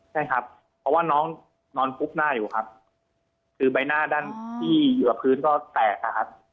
ใช่ครับเพราะว่าน้องนอนฟุบหน้าอยู่ครับคือใบหน้าด้านที่อยู่กับพื้นก็แตกนะครับ